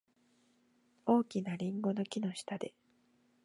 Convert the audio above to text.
大きなリンゴの木の下で。